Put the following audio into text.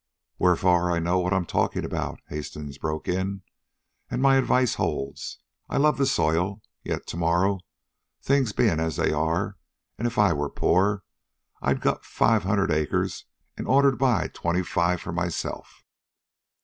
"Wherefore I know what I 'm talking about," Hastings broke in. "And my advice holds. I love the soil, yet to morrow, things being as they are and if I were poor, I'd gut five hundred acres in order to buy twenty five for myself.